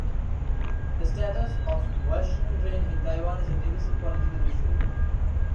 The status of "waishengren" in Taiwan is a divisive political issue.